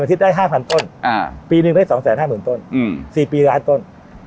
อาทิตย์ได้๕๐๐ต้นปีหนึ่งได้๒๕๐๐๐ต้น๔ปีล้านต้น